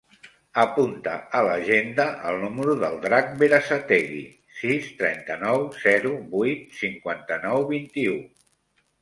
Apunta a l'agenda el número del Drac Berasategui: sis, trenta-nou, zero, vuit, cinquanta-nou, vint-i-u.